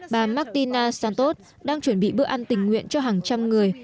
bà martina santos đang chuẩn bị bữa ăn tình nguyện cho hàng trăm người